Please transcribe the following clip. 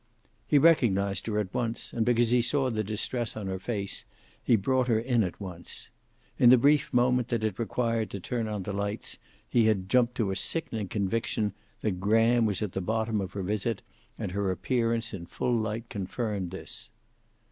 He recognized her at once, and because he saw the distress on her face he brought her in at once. In the brief moment that it required to turn on the lights he had jumped to a sickening conviction that Graham was at the bottom of her visit, and her appearance in full light confirmed this.